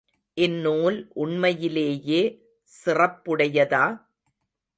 இந்நூல் உண்மையிலேயே சிறப்புடையதா?